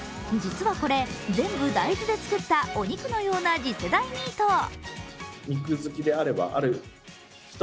実はこれ、全部大豆で作ったお肉のような次世代ミート。